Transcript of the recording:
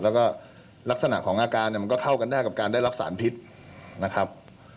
แล้วก็ลักษณะของอาการเนี่ยมันก็เข้ากันได้กับการได้รับสารพิษนะครับ